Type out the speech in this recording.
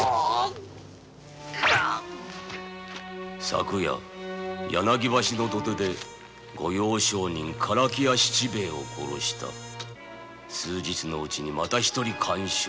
昨夜柳橋土手で御用商人唐木屋七兵ヱを殺した数日中にまた悪徳商人を殺す。